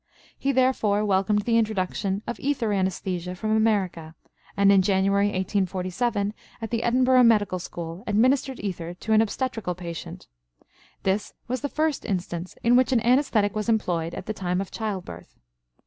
He, therefore, welcomed the introduction of ether anesthesia from America; and in January, 1847, at the Edinburgh Medical School, administered ether to an obstetrical patient. This was the first instance in which an anesthetic was employed at the time of childbirth.